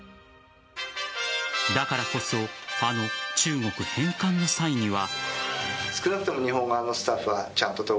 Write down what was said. だからこそあの中国返還の際には。